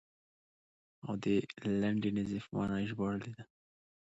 او د لنډې نېزې په معنا یې ژباړلې ده.